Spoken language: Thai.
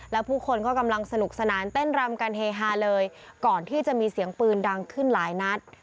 แล้วผู้คนก็กำลังสนุกสนานเต้นรำกันเฮฮาเลยก่อนที่จะมีเสียงปืนดังขึ้นหลายนัด